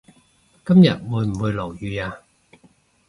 今日會唔會落雨呀